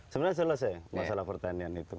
sebenarnya selesai masalah pertanian itu